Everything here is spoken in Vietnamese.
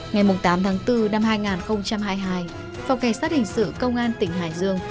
ngày tám tháng bốn năm hai nghìn hai mươi hai phòng cảnh sát hình sự công an tỉnh hải dương